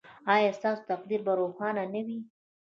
ایا ستاسو تقدیر به روښانه وي؟